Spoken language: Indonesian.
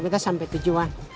kita sampai tujuan